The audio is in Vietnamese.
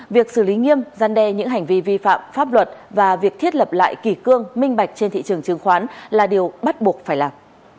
việc xử lý nghiêm gian đe những hành vi vi phạm pháp luật và việc thiết lập lại kỷ cương minh bạch trên thị trường chứng khoán là điều bắt buộc phải làm